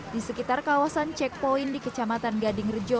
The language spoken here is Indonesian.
di sekitar kawasan checkpoint di kecamatan gading rejo